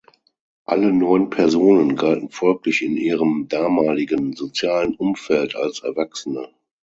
Alle neun Personen galten folglich in ihrem damaligen sozialen Umfeld als Erwachsene.